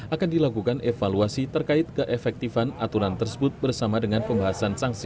akan dilakukan evaluasi terkait keefektifan aturan tersebut bersama dengan pembahasan sanksi